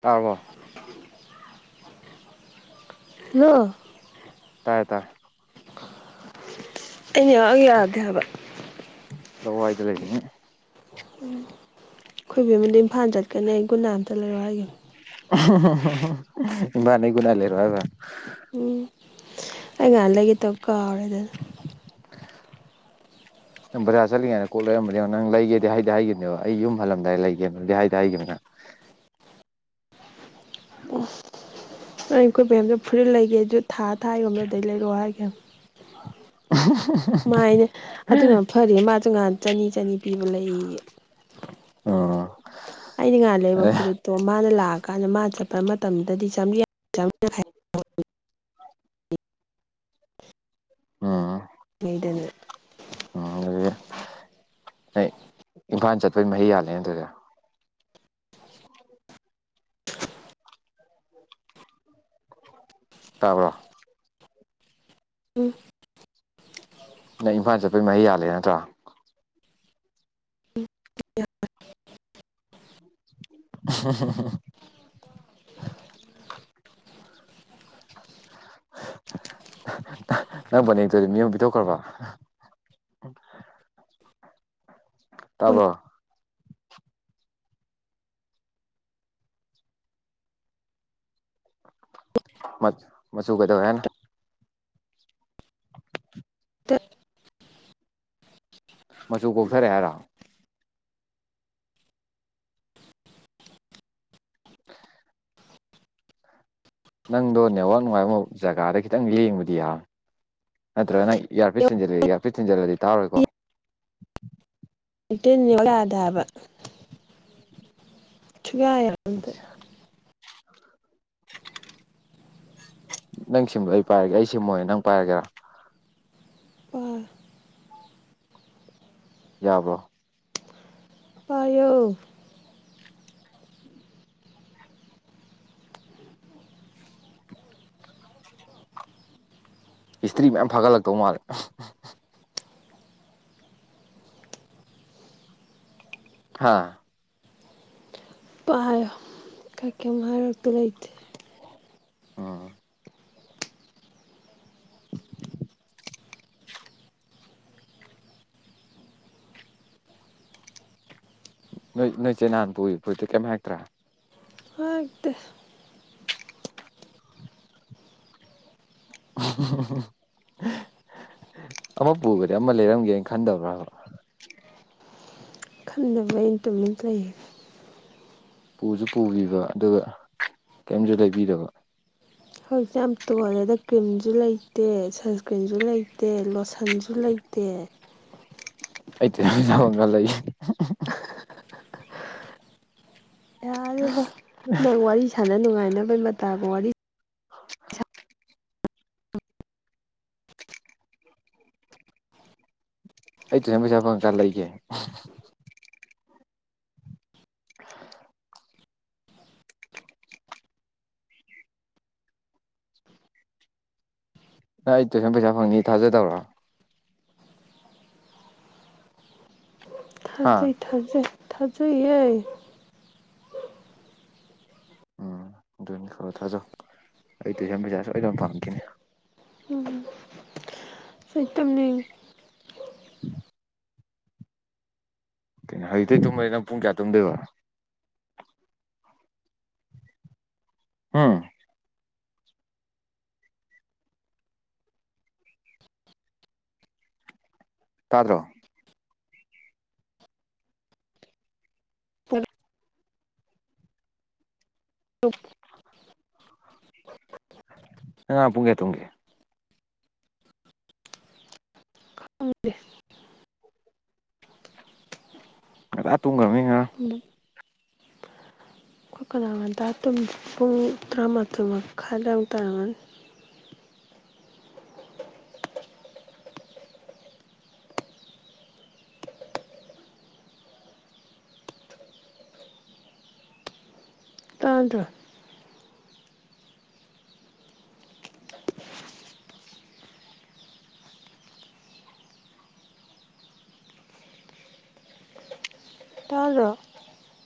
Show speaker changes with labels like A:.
A: ꯇꯥꯔꯕꯣ
B: ꯍꯜꯂꯣ
A: ꯇꯥꯏꯌꯦ ꯇꯥꯔꯦ
B: ꯑꯩ ꯅꯦꯋꯥꯛ ꯌꯥꯗꯦ ꯍꯥꯏꯕ
A: ꯂꯋꯥꯏꯗ ꯂꯩꯕꯅꯤꯅ
B: ꯎꯝ ꯈꯣꯏ ꯕꯦꯝꯃꯥꯗꯤ ꯏꯝꯐꯥꯜ ꯆꯠꯀꯅꯤ ꯒꯨꯠꯅꯥꯏꯠ ꯑꯝꯇ ꯂꯩꯔꯣ ꯍꯥꯏꯒꯤꯝꯅꯤ
A: ꯏꯝꯐꯥꯜꯗꯩ ꯒꯨꯠꯅꯥꯏꯠ ꯂꯩꯔꯛꯑꯣ ꯍꯥꯏꯕ
B: ꯎꯝ ꯑꯩ ꯉꯍꯥꯟ ꯂꯩꯒꯦꯇꯧꯕ ꯀꯥꯎꯔꯦ ꯑꯗꯨꯅ
A: [inaudible] ꯕꯖꯥꯔ ꯆꯠꯂꯤꯉꯩꯗ ꯀꯣꯛ ꯂꯩꯔꯝꯕꯅꯦ ꯅꯪ ꯂꯩꯒꯦꯗꯤ ꯍꯥꯏꯗꯤ ꯍꯥꯏꯒꯅꯦꯕ ꯑꯩ ꯌꯨꯝ ꯍꯜꯂꯝꯗꯥꯏ ꯂꯩꯒꯦꯅꯗꯤ ꯍꯥꯏꯗꯤ ꯍꯥꯏꯈꯤꯕꯅꯦ ꯅꯪ
B: ꯑꯣ ꯑꯩꯈꯣꯏ ꯕꯦꯝꯗꯣ ꯐꯨꯔꯤꯠ ꯂꯩꯒꯦ ꯑꯗꯨ ꯊꯥ ꯊꯥ ꯌꯣꯟꯕꯗꯣ ꯑꯗꯩ ꯂꯩꯔꯛꯑꯣ ꯍꯥꯏꯒꯤꯝꯅꯦ ꯃꯥ ꯍꯥꯏꯅꯦ ꯑꯗꯨꯅ ꯃꯐꯔꯦ ꯃꯥꯁꯨ ꯉꯍꯥꯟ ꯆꯅꯤ ꯆꯅꯤ ꯄꯤꯕ ꯂꯩꯌꯦ
A: ꯑꯣ
B: ꯑꯩꯅ ꯉꯥꯥꯟ ꯂꯩꯕ ꯐꯨꯔꯤꯠꯇꯣ ꯃꯥꯅ ꯂꯥꯛꯑꯀꯥꯟꯗ ꯃꯥ ꯆꯠꯄ ꯃꯇꯝꯗꯗꯤ [unintelligible] ꯆꯥꯝꯔꯤ
A: [inaudible] ꯑꯥ
B: ꯂꯩꯗꯅ
A: ꯎꯝ ꯑꯗꯨꯗꯤ ꯅꯣꯏ ꯏꯝꯐꯥꯜ ꯆꯠꯄꯩ ꯃꯍꯩ ꯌꯥꯜꯂꯦ ꯑꯗꯨꯗꯤ꯫ ꯇꯥꯕ꯭ꯔꯣ?
B: ꯎꯝ
A: ꯅꯪ ꯏꯝꯐꯥꯜ ꯆꯠꯄꯩ ꯃꯍꯩ ꯌꯥꯂꯦ ꯅꯠꯇ꯭ꯔꯥ?
B: [inaudible]
A: [unintelligible] ꯅꯪ ꯐꯅꯦꯛꯇꯨꯗꯤ ꯃꯤꯉꯣꯟ ꯄꯤꯊꯣꯛꯈ꯭ꯔꯥꯕ? ꯇꯥꯕ꯭ꯔꯣ? ꯃꯠ ꯃꯆꯨ ꯀꯩꯗꯧꯋꯦ ꯍꯥꯏꯅꯣ꯫ [inaudible]
B: ꯇꯠ [unintelligible]
A: ꯃꯆꯨ ꯀꯣꯛꯊꯔꯦ ꯍꯥꯏꯔꯣ꯫ [inaudible] ꯅꯪꯗꯣ ꯅꯦꯠꯋꯥꯛ ꯅꯨꯡꯉꯥꯏꯕꯃ ꯖꯒꯥꯗ ꯈꯤꯇꯪ ꯂꯦꯡꯕꯗꯤ ꯌꯥꯝꯅꯦ꯫ ꯅꯠꯇ꯭ꯔꯥꯒ ꯅꯪ ꯏꯌꯔ ꯄꯤꯠꯊꯤꯟꯖꯤꯜꯂꯤ ꯏꯌꯔ ꯄꯤꯠ ꯊꯤꯟꯖꯜꯂꯗꯤ ꯇꯥꯔꯣꯏꯀꯣ꯫
B: [unintelligible] ꯅꯦꯠꯋꯥꯛ ꯌꯥꯗꯦ ꯍꯥꯏꯕ ꯁꯨꯡꯌꯥꯗ [unintelligible]
A: ꯅꯪ ꯁꯤꯝꯗꯣ ꯑꯩ ꯄꯥꯏꯔꯒꯦ ꯑꯩ ꯁꯤꯝꯑꯣꯏꯅ ꯅꯪ ꯄꯥꯏꯔꯒꯦꯔꯥ꯫
B: ꯑꯥ [inaudible]
A: ꯌꯥꯕ꯭ꯔꯣ?
B: ꯄꯥꯏꯌꯣ꯫
A: ꯍꯤꯁꯇ꯭ꯔꯤ ꯃꯌꯥꯝ ꯐꯒꯠꯂꯛꯇꯧ ꯃꯥꯜꯂꯦ꯫ ꯍꯥꯥ
B: ꯄꯥꯏꯌꯣ ꯑꯩ ꯀꯩꯝ ꯑꯔꯣꯠꯄ ꯂꯩꯊꯦ꯫
A: ꯎꯝ ꯅꯣꯏ ꯅꯣꯏꯆꯦ ꯅꯍꯥꯟ ꯄꯨꯏ ꯐꯨꯔꯤꯠꯇꯨ ꯀꯩꯝ ꯍꯥꯏꯔꯛꯇ꯭ꯔꯥ?
B: ꯍꯥꯏꯔꯛꯇꯦ꯫
A: ꯑꯃ ꯄꯨꯒ꯭ꯔꯥꯗꯤ ꯑꯃ ꯂꯩꯔꯝꯒꯦꯅ ꯈꯟꯗꯕ꯭ꯔꯥꯕ꯫
B: ꯈꯟꯗꯕꯩꯅꯤ ꯑꯩꯅ ꯇꯨꯃꯤꯟ ꯂꯩ
A: ꯄꯨꯁꯨ ꯄꯨꯈꯤꯕ ꯑꯗꯨꯒ ꯀꯩꯝꯁꯨ ꯂꯩꯕꯤꯗꯕ꯫
B: ꯍꯧꯖꯤꯛꯇꯤ ꯌꯥꯝ ꯇꯣꯜꯂꯦꯗ ꯀ꯭ꯔꯤꯝꯁꯨ ꯂꯩꯇꯦ ꯁꯟꯁꯀ꯭ꯔꯤꯟꯁꯨ ꯂꯩꯇꯦ ꯂꯣꯁꯟꯁꯨ ꯂꯩꯇꯦ꯫
A: ꯑꯩꯗꯤ ꯁꯒꯂꯦ [unintelligible]
B: ꯌꯥꯔꯦꯕ ꯅꯪ ꯋꯥꯔꯤ ꯁꯥꯟꯅ ꯅꯨꯡꯉꯥꯏꯅꯕꯩ ꯃꯇꯥꯒ ꯋꯥꯔꯤ___
A: ꯑꯩ ꯇꯨꯖ ꯄꯩꯖꯥꯕꯀ ꯂꯩꯒꯦ ꯅꯪ ꯑꯩ ꯇꯨꯏꯁꯟ ꯄꯩꯁꯥ ꯐꯪꯅꯤ ꯊꯥꯖꯗꯕꯔꯥ
B: ꯊꯖ
A: ꯍꯥ
B: ꯊꯖꯩ ꯊꯥꯖꯩꯌꯦ
A: ꯎꯝ ꯑꯗꯨꯅꯤ ꯈꯔꯣ ꯊꯥꯖꯧ ꯑꯩ ꯇꯨꯏꯁꯟ ꯄꯩꯁꯥꯁꯨꯣꯏꯗꯝ ꯄꯥꯝꯈꯤꯅꯤ
B: ꯎꯝ ꯑꯩꯇꯝꯅꯤꯡꯉꯦ
A: [unintelligible] ꯀꯩꯅꯣ ꯍꯧꯖꯤꯛ ꯇꯨꯝꯃꯔꯦ ꯅꯪ ꯄꯨꯡ ꯀꯌꯥ ꯇꯨꯝꯗꯣꯏꯕ ꯎꯝ ꯇꯥꯗ꯭ꯔꯣ
B: ꯇꯨꯝꯅꯤꯡꯉꯦ ꯇꯧ
A: ꯅꯪ ꯉꯔꯥꯡ ꯄꯨꯡ ꯀꯌꯥ ꯇꯨꯝꯒꯦ
B: ꯈꯪꯗꯦ
A: ꯉꯟꯇꯥ ꯇꯨꯡꯒꯔꯝꯅꯤ ꯉꯔꯥꯡ
B: ꯎꯝ ꯑꯩꯈꯣꯏ ꯀꯅꯥꯒꯟꯗ ꯇꯨꯝꯗꯦ ꯄꯨꯡ ꯇꯔꯥꯃꯥꯊꯣꯏ ꯃꯈꯥꯏ ꯑꯗꯥꯢꯃꯨꯛ ꯇꯥꯔꯝꯒꯅꯤ ꯇꯥꯗ꯭ꯔ ꯇꯥꯗ꯭ꯔꯣ